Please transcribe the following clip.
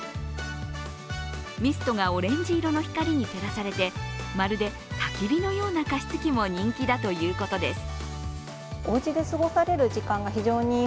ミストがオレンジ色の光に照らされて、まるでたき火のような加湿器も人気だということです。